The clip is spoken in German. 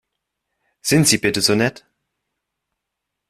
Sind Sie bitte so nett?